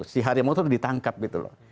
si harimau itu ditangkap gitu loh